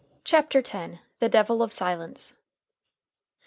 CHAPTER X. THE DEVIL OF SILENCE.